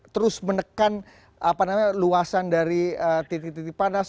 terus menekan apa namanya luasan dari titik titik panas